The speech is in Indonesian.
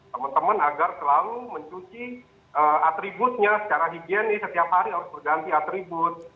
teman teman agar selalu mencuci atributnya secara higienis setiap hari harus berganti atribut